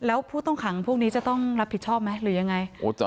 แล้วผู้ต้องขังพวกนี้จะต้องรับผิดชอบไหมหรือยังไง